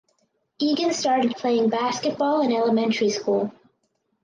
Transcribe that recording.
Egan started playing basketball in elementary school.